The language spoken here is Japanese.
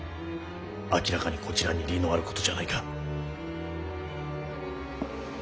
明らかにこちらに利のあることじゃないか。